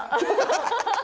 ハハハハ！